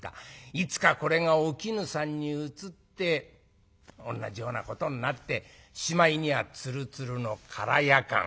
いつかこれがお絹さんにうつって同じようなことになってしまいにはツルツルの空やかん。